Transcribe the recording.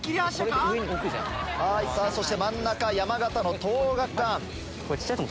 さぁそして真ん中山形の東桜学館。